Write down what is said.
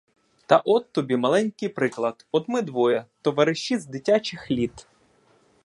Та от тобі маленький приклад: от ми двоє, товариші з дитячих літ.